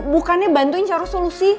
bukannya bantuin cara solusi